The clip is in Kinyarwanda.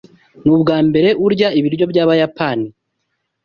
Nubwambere urya ibiryo byabayapani?